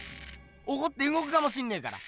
おこってうごくかもしんねえから。